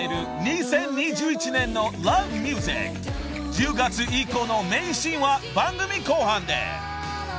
［１０月以降の名シーンは番組後半で］